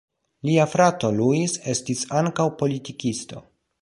Lia frato Luis estis ankaŭ politikisto.